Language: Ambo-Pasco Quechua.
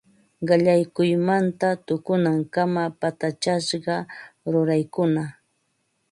Qallaykuymanta tukunankama patachasqa ruraykuna